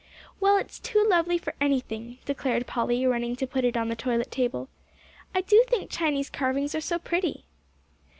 "Well, it's too lovely for anything," declared Polly, running to put it on the toilet table. "I do think Chinese carvings are so pretty!"